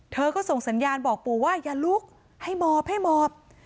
เธอก็ส่งสัญญาณบอกปู่ว่าอย่าลุกให้หมอบให้หมอบ